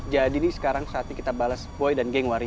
jadi ini sekarang saatnya kita bales boy dan geng wakil